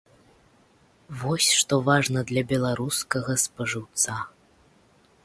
Вось што важна для беларускага спажыўца.